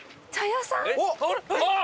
あっ！